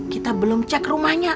kita belum cek rumahnya